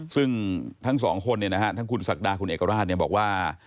ซึ่งทั้งสองคนทั้งคุณศักดาคุณเอกราชบอกว่า